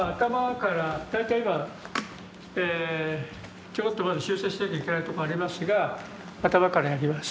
大体今えちょこっとまだ修正しなきゃいけないとこがありますがアタマからやります。